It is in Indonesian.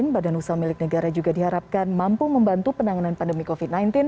badan usaha milik negara juga diharapkan mampu membantu penanganan pandemi covid sembilan belas